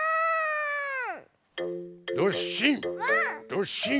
どっしん！